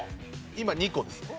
今２個ですね。